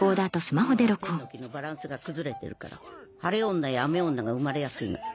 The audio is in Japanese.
今は天の気のバランスが崩れてるから晴れ女や雨女が生まれやすいの。